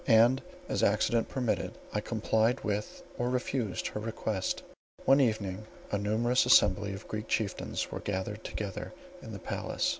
And, as accident permitted, I complied with or refused her request. One evening a numerous assembly of Greek chieftains were gathered together in the palace.